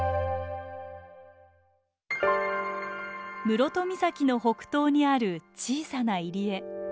室戸岬の北東にある小さな入り江。